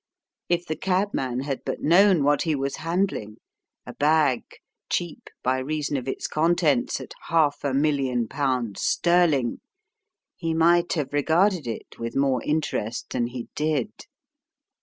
If the cabman had but known what he was handling, a bag, cheap by reason of its contents at half a million pounds sterling, he might have regarded it with more interest than he did.